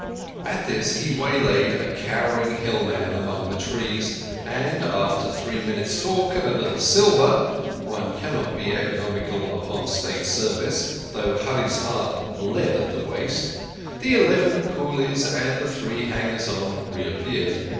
At this he waylaid a cowering hillman among the trees, and after three minutes' talk and a little silver (one cannot be economical upon State service, though Hurree's heart bled at the waste) the eleven coolies and the three hangers on reappeared.